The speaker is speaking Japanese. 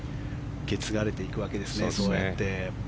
受け継がれていくわけですね、そうやって。